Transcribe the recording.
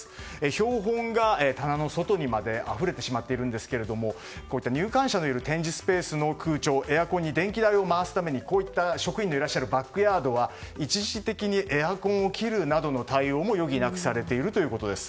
標本が棚の外にまであふれてしまっているんですがこういった入館者のいる展示スペースの空調エアコンに電気代を回すために職員がいらっしゃるバックヤードは一時的にエアコンを切るなどの対応も余儀なくされているということです。